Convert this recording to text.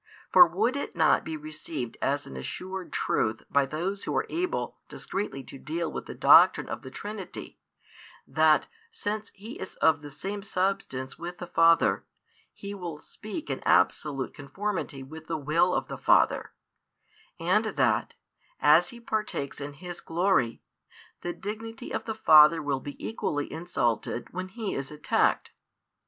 For would it not be received as an assured truth by those who are able discreetly to deal with the doctrine of the Trinity, that, since He is of the same Substance with the Father, He will speak in absolute conformity with the Will of the Father; and that, as He partakes in His glory, the dignity of the Father will be equally insulted when He is attacked?